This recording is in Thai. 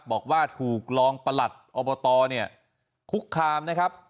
บอกว่าถูกรองประหลัดอบตเนี่ยคุกคามนะครับ